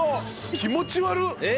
気持ち悪っ！